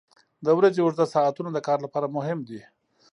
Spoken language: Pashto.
• د ورځې اوږده ساعتونه د کار لپاره مهم دي.